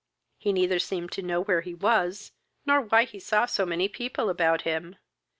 He neither seemed to know where he was, not why he saw so many people about him.